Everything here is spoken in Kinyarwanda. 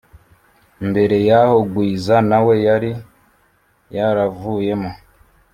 mbere yaho gwiza nawe yari yaravuyemo,